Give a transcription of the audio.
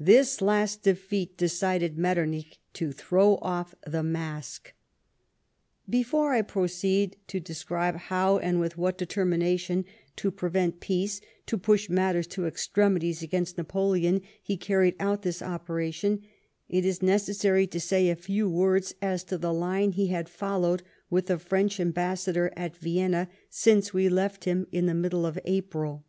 This last defeat decided Metternich to throw off the mask. Before I proceed to describe how, and with what determination to prevent peace, to push matters to ex tremities against Napoleon, he carried out this operation, it is necessary to say a few words as to the line he had followed with the French ambassador at Vienna since we I: ft him in the middle of April.